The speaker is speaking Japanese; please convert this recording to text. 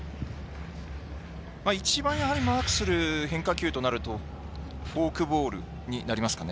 いちばんマークする変化球となるとフォークボールになりますかね。